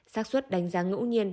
sát xuất đánh giá ngẫu nhiên